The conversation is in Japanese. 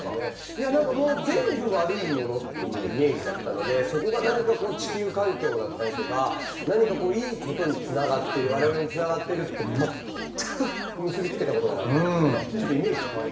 いや何かもう全部悪いものっていうイメージだったのでそこが何か地球環境だったりとか何かこういいことにつながってる我々につながってるって全く結び付けたことがなかったのでちょっとイメージ変わりました。